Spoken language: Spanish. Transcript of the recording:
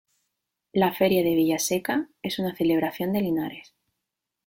La feria de Villaseca es una celebración de Linares.